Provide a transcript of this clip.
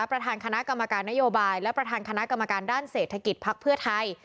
ประธานคณะกรรมการนโยบายและประธานคณะกรรมการด้านเศรษฐกิจภักดิ์เพื่อไทย